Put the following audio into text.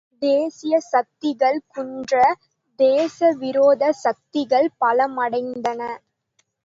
தேசிய சக்திகள் குன்ற, தேசவிரோத சக்திகள் பலமடைந்தன.